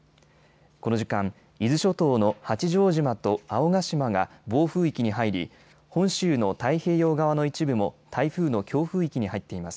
この時間、伊豆諸島の八丈島と青ヶ島が暴風域に入り、本州の太平洋側の一部も台風の強風域に入っています。